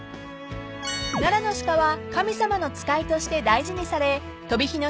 ［奈良の鹿は神様の使いとして大事にされ飛火野